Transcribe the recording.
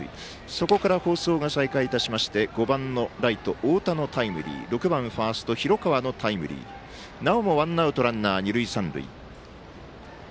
そこから放送が再開いたしまして５番、太田のタイムリー６番、広川のタイムリーなおもワンアウト、二塁三塁。